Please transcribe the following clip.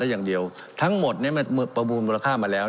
ได้อย่างเดียวทั้งหมดเนี้ยมันประบูรณ์มูลค่ามาแล้ว